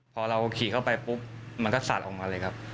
พอเราขี่เข้าไปปุ๊บมันก็สาดออกมาเลยครับ